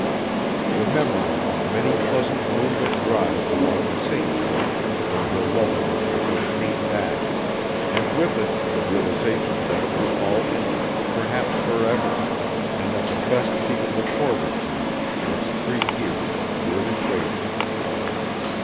The memory of many pleasant moonlit drives along the same road when her lover was with her came back, and with it the realization that it was all ended, perhaps forever, and that the best she could look forward to was three years of weary waiting.